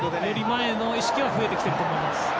より前の意識は増えてきていると思います。